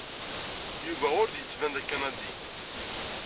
Yuba ur d-yettban d Akanadi.